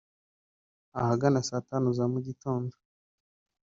Ahagana saa tanu za mu gitondo